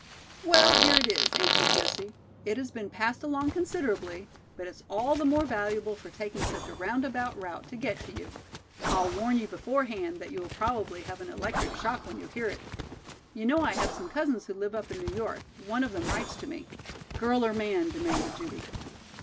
'" "Well, here it is," answered Jessie. "It has been passed along considerably, but it's all the more valuable for taking such a roundabout route to get to you. I'll warn you beforehand that you will probably have an electric shock when you hear it. You know I have some cousins who live up in New York. One of them writes to me " "Girl or man?" demanded Judy.